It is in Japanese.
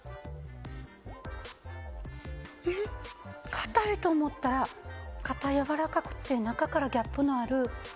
硬いと思ったらかた軟らかくって中からギャップのある。